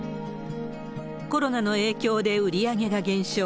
コロナの影響で売り上げが減少。